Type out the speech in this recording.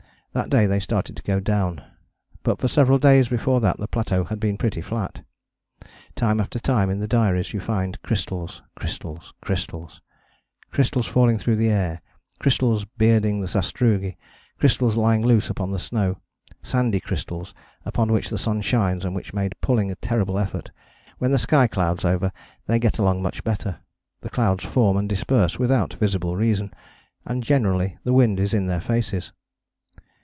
That day they started to go down, but for several days before that the plateau had been pretty flat. Time after time in the diaries you find crystals crystals crystals: crystals falling through the air, crystals bearding the sastrugi, crystals lying loose upon the snow. Sandy crystals, upon which the sun shines and which made pulling a terrible effort: when the sky clouds over they get along much better. The clouds form and disperse without visible reason. And generally the wind is in their faces.